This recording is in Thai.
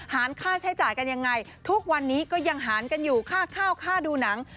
ค่าใช้จ่ายกันยังไงทุกวันนี้ก็ยังหารกันอยู่ค่าข้าวค่าดูหนัง